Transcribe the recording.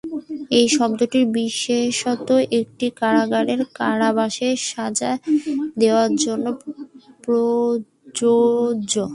এই শব্দটি বিশেষত একটি কারাগারে কারাবাসের সাজা দেওয়ার জন্য প্রযোজ্য।